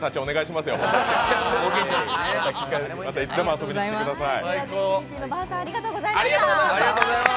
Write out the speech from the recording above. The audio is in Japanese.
またいつでも遊びに来てください。